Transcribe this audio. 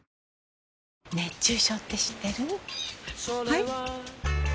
はい？